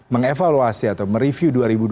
mengevaluasi atau mereview dua ribu dua puluh